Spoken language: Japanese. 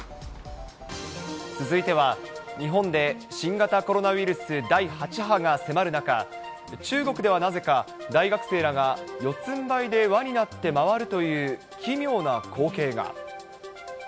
続いては、日本で新型コロナウイルス第８波が迫る中、中国ではなぜか、大学生らが四つんばいで輪になって回るという、奇妙な光景が。